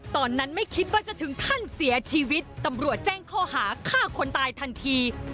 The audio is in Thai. ตอนนั้นไม่คิดว่าจะถึงขั้นเสียชีวิตตำรวจแจ้งข้อหาฆ่าคนตายทันที